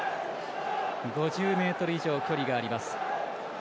５０ｍ以上距離があります。